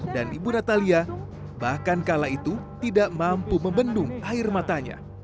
dan ibu natalia bahkan kala itu tidak mampu membendung air matanya